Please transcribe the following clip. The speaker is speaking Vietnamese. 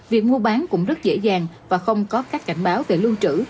việc mua bán cũng rất dễ dàng và không có các cảnh báo về lưu trữ